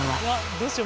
どうしよう